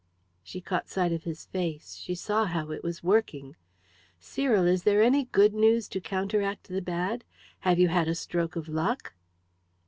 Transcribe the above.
She caught sight of his face. She saw how it was working. "Cyril, is there any good news to counteract the bad? Have you had a stroke of luck?"